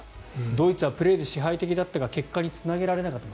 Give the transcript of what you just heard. ドイツはプレーで支配的だったが結果につなげられなかった。